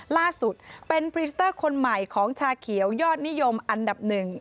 ล่าสุดเป็นพรีสเตอร์คนใหม่ของชาเขียวยอดนิยมอันดับหนึ่ง